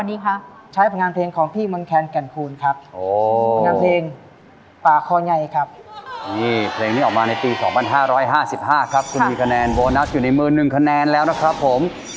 นี่เพลงนี้ออกมาในปี๒๕๕๕ครับคุณมีคะแนนโบนัสอยู่ในมือ๑คะแนนแล้วนะครับผม